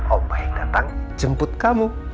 om baik datang jemput kamu